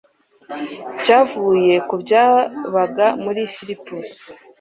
cyavuye ku byabaga muri Phillips